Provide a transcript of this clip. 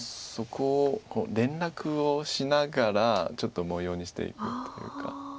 そこを連絡をしながらちょっと模様にしていくというか。